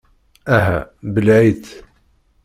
Aha, belleε-itt!